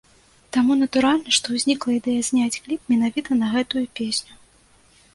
Таму натуральна, што ўзнікла ідэя зняць кліп менавіта на гэтую песню.